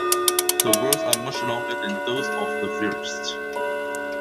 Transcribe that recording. The worlds are much longer than those of the first.